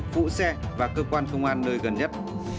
phụ xe và cơ quan công an nơi gần nhất